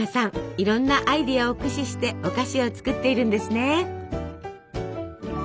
いろんなアイデアを駆使してお菓子を作っているんですね。